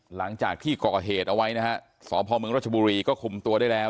หลังจากที่ก่อเหตุเอาไว้นะฮะสพมรัชบุรีก็คุมตัวได้แล้ว